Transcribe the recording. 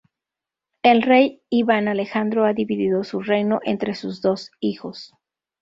El rey Iván Alejandro ha divido su reino entre sus dos hijos.